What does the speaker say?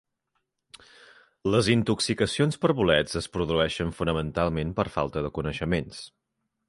Les intoxicacions per bolets es produeixen fonamentalment per falta de coneixements.